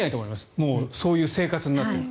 もうそういう生活になっているから。